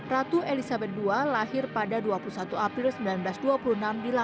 ratu elizabeth ii lahir pada dua puluh satu april seribu sembilan ratus dua puluh enam bila